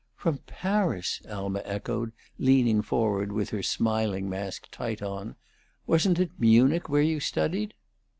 "From Paris!" Alma echoed, leaning forward, with her smiling mask tight on. "Wasn't it Munich where you studied?"